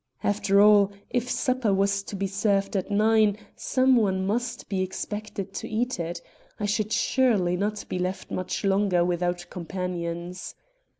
After all, if supper was to be served at nine, someone must be expected to eat it: I should surely not be left much longer without companions.